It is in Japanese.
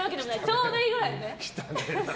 ちょうどいいくらいね。